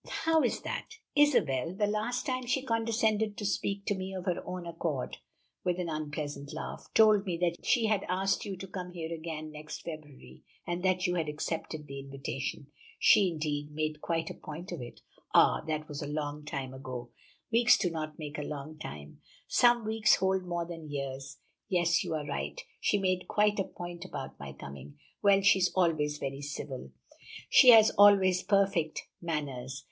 "How is that? Isabel, the last time she condescended to speak to me of her own accord," with an unpleasant laugh, "told me that she had asked you to come here again next February, and that you had accepted the invitation. She, indeed, made quite a point of it." "Ah! that was a long time ago." "Weeks do not make a long time." "Some weeks hold more than years. Yes, you are right; she made quite a point about my coming. Well, she is always very civil." "She has always perfect manners.